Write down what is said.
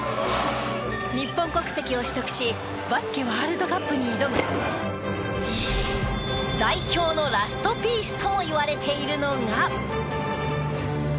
日本国籍を取得しバスケワールドカップに挑む代表のラストピースともいわれているのが。